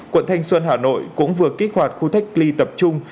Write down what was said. quận thanh xuân hà nội cũng vừa kích hoạt khu cách ly tập trung